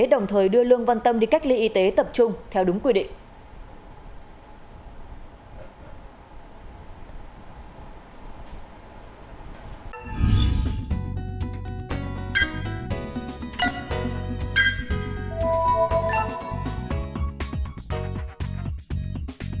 đồng thời đưa lương văn tâm đi cách ly y tế tập trung theo đúng quy định